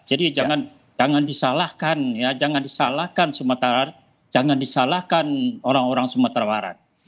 jadi jangan disalahkan jangan disalahkan orang orang sumatera barat